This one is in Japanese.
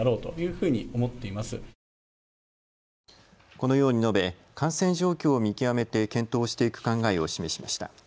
このように述べ感染状況を見極めて検討していく考えを示しました。